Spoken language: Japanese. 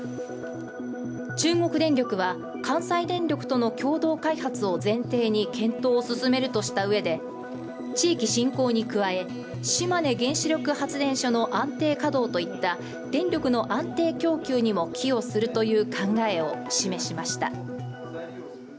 中国電力は、関西電力との共同開発を前提に検討を進めるとしたうえで地域振興に加え島根原子力発電所の安定稼働といった電力の安定供給にも寄与するという考えを示しました。